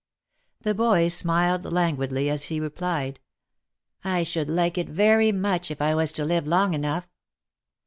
The boy smiled languidly as he replied, " I should like it very much, if I was to live long enough."